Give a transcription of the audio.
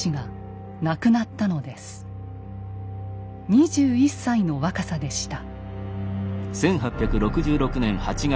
２１歳の若さでした。